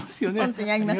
本当にあります。